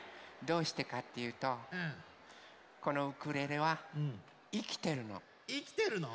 どうしてかっていうとこのウクレレはいきてるの。いきてるの？